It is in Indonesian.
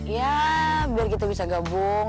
ya biar kita bisa gabung